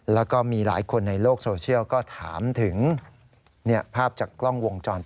แล้วก็มีหลายคนในโลกโซเชียลก็ถามถึง